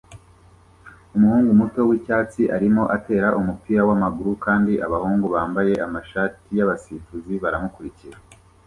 Umuhungu muto wicyatsi arimo atera umupira wamaguru kandi abahungu bambaye amashati yabasifuzi baramukurikira